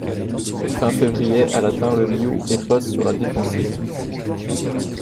Fin février elle atteint le Mious et passe sur la défensive.